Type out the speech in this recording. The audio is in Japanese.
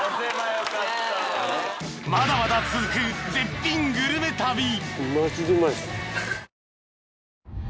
［まだまだ続く絶品グルメ旅］